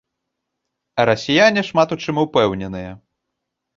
А расіяне шмат у чым упэўненыя.